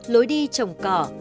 lối đi trồng cỏ